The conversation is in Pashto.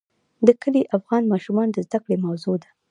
کلي د افغان ماشومانو د زده کړې موضوع ده.